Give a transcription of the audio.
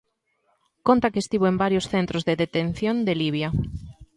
Conta que estivo en varios centros de detención de Libia.